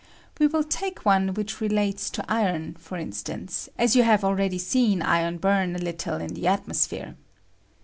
We will take one which relates to iron, for instance, as you have already seen iron bum a little in the atmosphere.